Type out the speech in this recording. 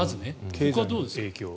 そこはどうですか？